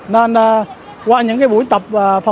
nên qua những buổi tập